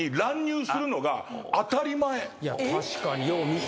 確かによう見た。